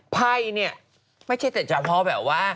ไพ่เนี่ยไม่ใช่แต่เฉพาะแบบว่า